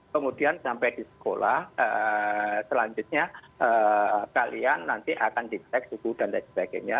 kemudian sampai di sekolah selanjutnya kalian nanti akan dicek suku dan lain sebagainya